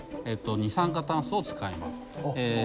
二酸化炭素を使います。